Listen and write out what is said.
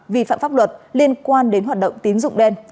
vi phạm pháp luật liên quan đến hoạt động tín dụng đen